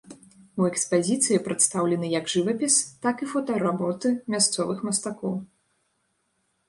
У экспазіцыі прадстаўлены як жывапіс, так і фотаработы мясцовых мастакоў.